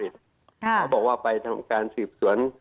เขาบอกว่าไปทำการสืบสวน